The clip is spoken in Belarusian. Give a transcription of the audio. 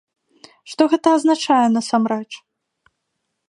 Што гэта азначае насамрэч?